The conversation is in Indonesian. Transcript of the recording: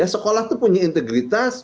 sekolah itu punya integritas